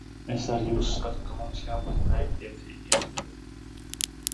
Es arī uzskatu, ka mums jābūt mērķtiecīgiem.